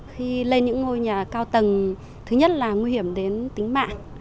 khi lên những ngôi nhà cao tầng thứ nhất là nguy hiểm đến tính mạng